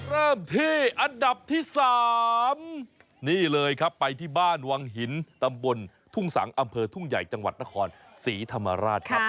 เริ่มที่อันดับที่๓นี่เลยครับไปที่บ้านวังหินตำบลทุ่งสังอำเภอทุ่งใหญ่จังหวัดนครศรีธรรมราชครับ